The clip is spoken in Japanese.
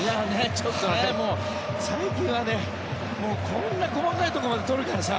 最近はこんな細かいところまで取るからさ。